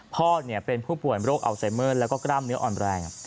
พ่อเป็นผู้ป่วยโรคอัลไซเมอร์แล้วก็กล้ามเนื้ออ่อนแรง